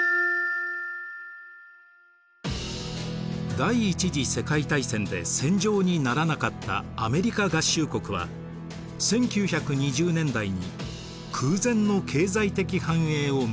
第一次世界大戦で戦場にならなかったアメリカ合衆国は１９２０年代に空前の経済的繁栄を迎えます。